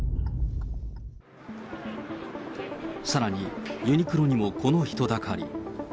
さらにユニクロにもこの人だかり。